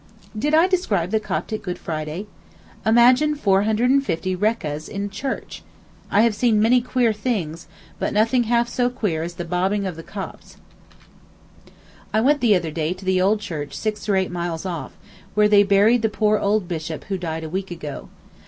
Did I describe the Coptic Good Friday? Imagine 450 Rekahs in church! I have seen many queer things, but nothing half so queer as the bobbing of the Copts. I went the other day to the old church six or eight miles off, where they buried the poor old Bishop who died a week ago.